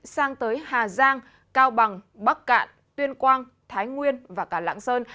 sang tới hà giang cao bằng bắc cạn tuyên quang thái nguyên và cả lãng sơn